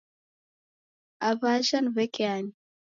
Aw'jha ni w'eke ani?